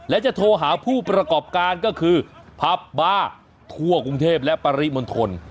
และจะโทรหาผู้ประกอบการก็คือผับบาร์ทั่วกรุงเทพและปริมณฑล